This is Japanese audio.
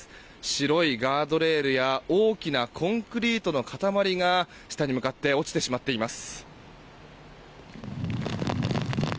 白いガードレールや大きなコンクリートの塊が下に向かって落ちてしまっています。